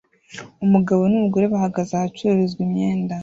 Umugabo n'umugore bahagaze ahacururizwa imyenda